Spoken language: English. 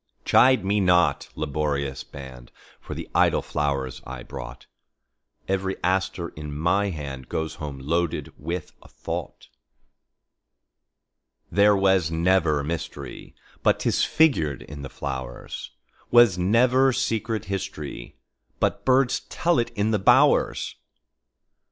Chide me not, laborious band, For the idle flowers I brought; Every aster in my handGoes home loaded with a thought. There was never mysteryBut 'tis figured in the flowers; SWas never secret historyBut birds tell it in the bowers.